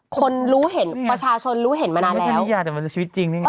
คนรู้เห็นประชาชนรู้เห็นมานานแล้วแต่มันชีวิตจริงนี่ไง